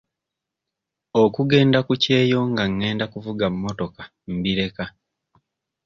Okugenda ku kyeyo nga ngenda kuvuga mmotoka mbireka.